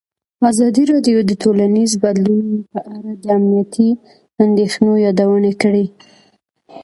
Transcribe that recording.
ازادي راډیو د ټولنیز بدلون په اړه د امنیتي اندېښنو یادونه کړې.